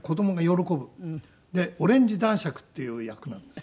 オレンジ男爵っていう役なんです。